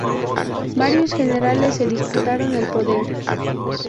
Varios generales se disputaron el poder.